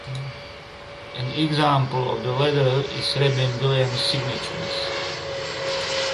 An example of the latter is Rabin-Williams signatures.